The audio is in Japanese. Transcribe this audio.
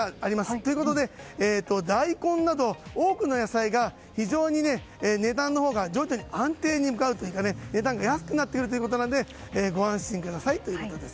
ということで大根など多くの野菜が非常に値段のほうが徐々に安定に向かうというか値段が安くなってくるということなのでご安心くださいということです。